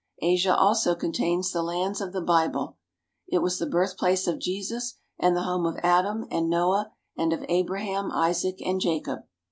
Asia also contains the lands of the Bible. It was the birthplace of Jesus, and the home of Adam and Noah and of Abraham, Isaac, and Jacob.